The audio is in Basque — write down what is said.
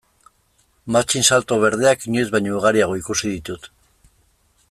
Matxinsalto berdeak inoiz baino ugariago ikusi ditut.